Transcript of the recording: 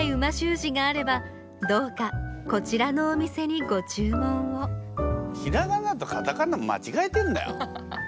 字があればどうかこちらのお店にご注文をひらがなとカタカナ間違えてんだよ。